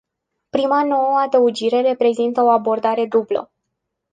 Prima nouă adăugire reprezintă o abordare dublă.